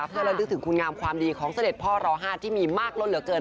เพื่อระลึกถึงคุณงามความดีของเสด็จพ่อรอ๕ที่มีมากล้นเหลือเกิน